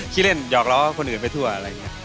ขี้เล่นหยอกล้อคนอื่นไปทั่วอะไรอย่างนี้